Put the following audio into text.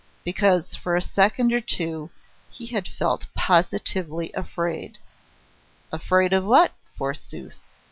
because for a second or two he had felt positively afraid. Afraid of what, forsooth?